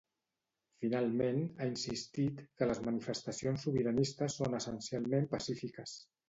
Finalment, ha insistit que les manifestacions sobiranistes són essencialment pacífiques.